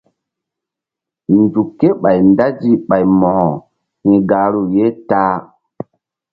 Nzuk ké ɓay ndazi ɓay Mo̧ko hi̧ gahru ye ta-a.